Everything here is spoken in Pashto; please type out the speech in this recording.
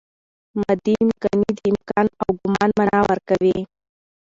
ماضي امکاني د امکان او ګومان مانا ورکوي.